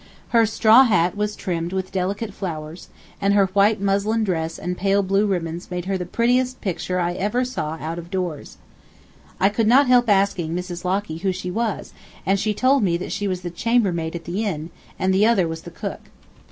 Her straw hat was trimmed with delicate flowers, and her white muslin dress and pale blue ribbons made her the prettiest picture I ever saw out of doors. I could not help asking Mrs. Locky who she was, and she told me that she was the chambermaid at the inn, and the other was the cook.